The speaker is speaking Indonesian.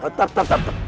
tetap tetap tetap